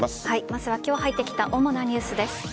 まずは今日入ってきた主なニュースです。